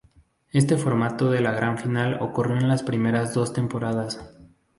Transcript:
Este formato de la gran final ocurrió en las primeras dos temporadas.